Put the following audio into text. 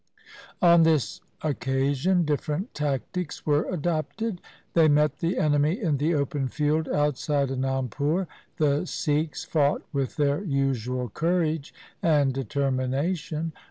On this occasion different tactics were adopted. They met the enemy in the open field outside Anandpur. The Sikhs fought with their usual courage and determination.